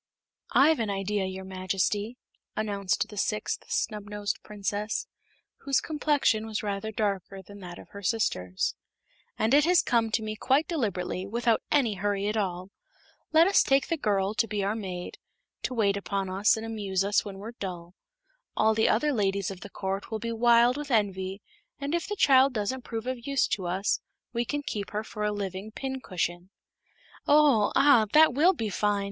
"I've an idea, your Majesty," announced the sixth Snubnosed Princess, whose complexion was rather darker than that of her sisters, "and it has come to me quite deliberately, without any hurry at all. Let us take the little girl to be our maid to wait upon us and amuse us when we're dull. All the other ladies of the court will be wild with envy, and if the child doesn't prove of use to us we can keep her for a living pincushion." "Oh! Ah! That will be fine!"